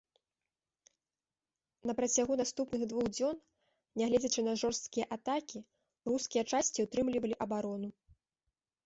На працягу наступных двух дзён, нягледзячы на жорсткія атакі, рускія часці ўтрымлівалі абарону.